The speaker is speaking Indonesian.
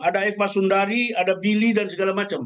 ada eva sundari ada billy dan segala macam